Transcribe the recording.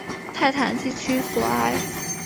塞坦地区索埃。